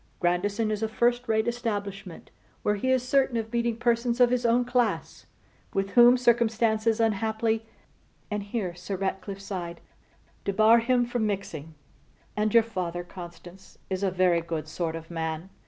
Grandison is a first rate establishment, where he is certain of meeting persons of his own class, with whom circumstances unhappily,' and here Sir Ratcliffe sighed, 'debar him from mixing; and your father, Constance, is a very good sort of man.